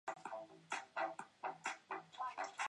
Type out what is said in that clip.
伪粉蝶属是粉蝶科袖粉蝶亚科里的一个属。